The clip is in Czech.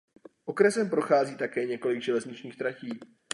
Okresem prochází také několik železničních tratí.